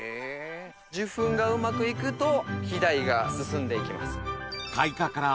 受粉がうまくいくと肥大が進んでいきます。